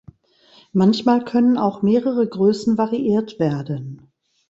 Manchmal können auch mehrere Größen variiert werden.